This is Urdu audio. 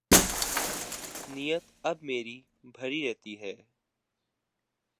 نیت اب میری بھری رہتی ہے